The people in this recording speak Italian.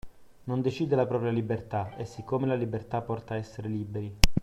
Non decide la propria libertà e siccome la libertà porta a essere liberi